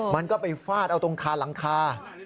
มันก็ไปฟาดเอาตรงคาหลังคา